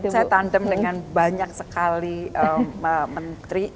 saya tandem dengan banyak sekali menteri